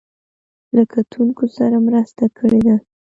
له کتونکو سره مرسته کړې ده.